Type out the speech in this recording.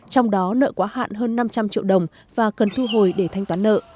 trong đó nợ quá hạn hơn năm trăm linh triệu đồng và cần thu hồi để thanh toán nợ